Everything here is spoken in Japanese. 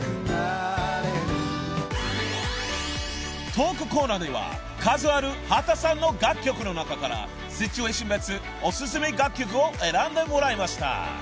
［トークコーナーでは数ある秦さんの楽曲の中からシチュエーション別お薦め楽曲を選んでもらいました］